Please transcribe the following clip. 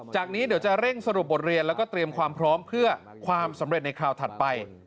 จากนี้เดี๋ยวจะเร่งสรุปบทเรียนแล้วก็เตรียมความพร้อมเพื่อความสำเร็จในคราวถัดไป